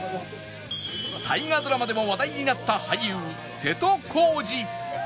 大河ドラマでも話題になった俳優瀬戸康史